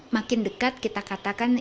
makin dekat kita katakan